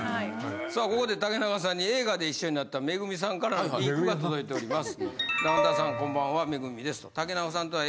さあここで竹中さんに映画で一緒になったＭＥＧＵＭＩさんからのリークが届いております。